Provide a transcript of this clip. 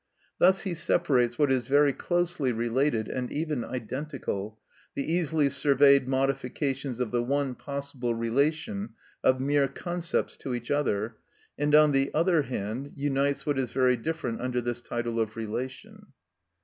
Thus he separates what is very closely related, and even identical, the easily surveyed modifications of the one possible relation of mere concepts to each other, and, on the other hand, unites what is very different under this title of relation.